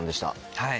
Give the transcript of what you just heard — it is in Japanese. はい。